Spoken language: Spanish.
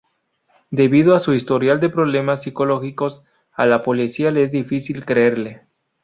Debido a su historial de problemas psicológicos, a la policía le es difícil creerle.